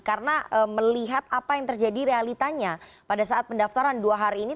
karena melihat apa yang terjadi realitanya pada saat pendaftaran dua hari ini